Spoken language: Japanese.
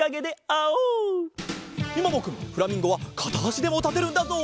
みももくんフラミンゴはかたあしでもたてるんだぞ！